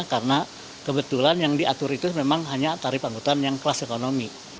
karena kebetulan yang diatur itu memang hanya tarif angkutan yang kelas ekonomi